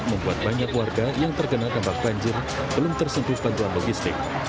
membuat banyak warga yang terkena dampak banjir belum tersentuh bantuan logistik